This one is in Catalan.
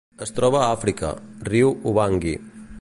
Es troba a Àfrica: riu Ubangui.